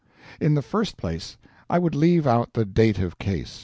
In the first place, I would leave out the Dative case.